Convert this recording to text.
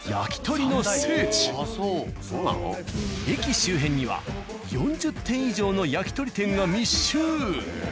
駅周辺には４０店以上のやきとり店が密集。